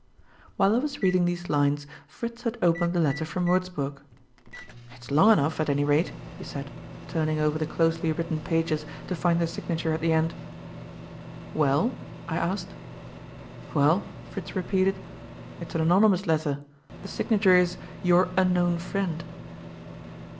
While I was reading these lines Fritz had opened the letter from Wurzburg. "It's long enough, at any rate," he said, turning over the closely written pages to find the signature at the end. "Well?" I asked. "Well," Fritz repeated, "it's an anonymous letter. The signature is 'Your Unknown Friend.'"